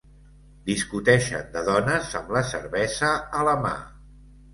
Discuteixen de dones amb la cervesa a la mà.